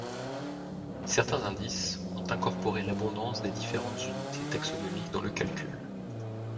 Certains indices ont incorporé l’abondance des différentes unités taxonomiques dans le calcul.